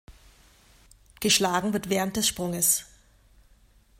Geschlagen wird während des Sprunges.